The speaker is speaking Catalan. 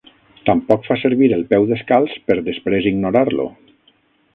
Tampoc fa servir el peu descalç per després ignorar-lo.